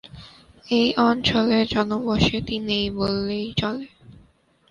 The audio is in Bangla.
এই অঞ্চলে জনবসতি নেই বললেই চলে।